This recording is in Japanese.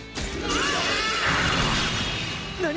何！？